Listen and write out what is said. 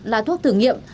là thuốc thử nghiệm